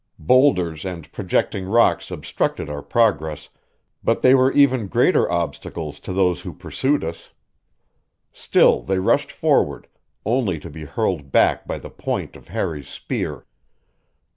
Boulders and projecting rocks obstructed our progress, but they were even greater obstacles to those who pursued us. Still they rushed forward, only to be hurled back by the point of Harry's spear.